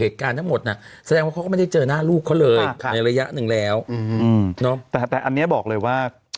แต่อันนี้บอกเลยว่า